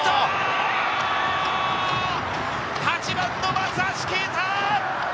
８番の松橋啓太！